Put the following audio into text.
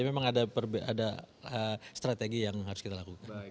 memang ada strategi yang harus kita lakukan